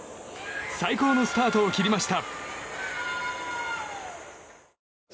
最高のスタートを切りました。